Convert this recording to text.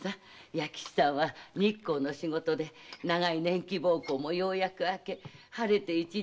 弥吉さんは日光の仕事で長い年季奉公もようやく明け晴れて一人前の宮大工。